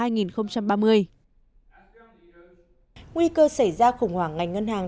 nguy cơ xảy ra khủng hoảng ngành ngân hàng